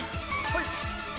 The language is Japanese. はい！